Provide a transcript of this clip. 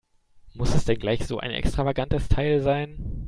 Muss es denn gleich so ein extravagantes Teil sein?